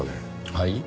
はい？